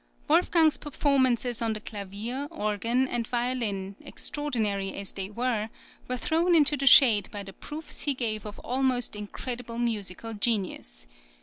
Wolfgang's performances on the clavier, organ, and violin, extraordinary as they were, were thrown into the shade by the proofs he gave of almost incredible musical genius.